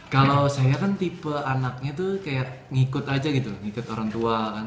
kalau saya kan tipe anaknya tuh kayak ngikut aja gitu ngikut orang tua kan